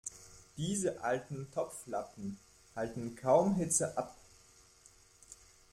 Diese alten Topflappen halten kaum Hitze ab.